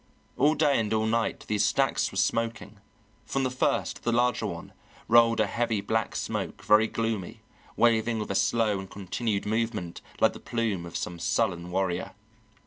All day and all night these stacks were smoking; from the first, the larger one, rolled a heavy black smoke, very gloomy, waving with a slow and continued movement like the plume of some sullen warrior.